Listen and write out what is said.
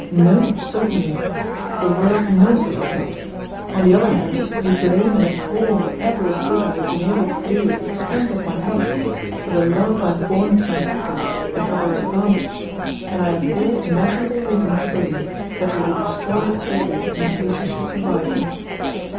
No, certainly. The world knows that you have not. On the other hand, you blame and abhor whatever of good I have been able to do at the expense of my health, for the love I have borne to my people, and for their advantage, and I have all imaginable reason to believe that you will destroy it all in case you should survive me.